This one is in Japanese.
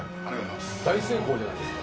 大成功じゃないですか。